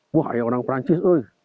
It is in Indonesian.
wah ya orang perancis